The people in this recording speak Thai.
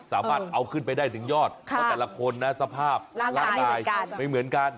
สามารถเอาขึ้นไปได้ถึงยอดเพราะแต่ละคนนะสภาพร่างกายไม่เหมือนกัน